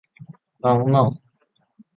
น้องหม่อง